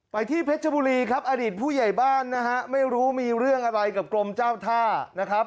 ที่เพชรบุรีครับอดีตผู้ใหญ่บ้านนะฮะไม่รู้มีเรื่องอะไรกับกรมเจ้าท่านะครับ